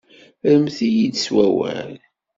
Rremt-iyi-d s wawal.